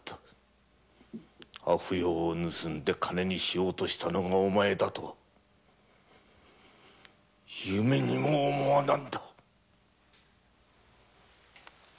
阿芙蓉を盗んで金にしようとしたのがお前だとは夢にも思わなんだ。